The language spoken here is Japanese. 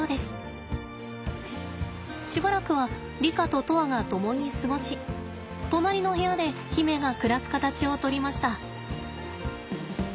しばらくはリカと砥愛が共に過ごし隣の部屋で媛が暮らす形をとりました。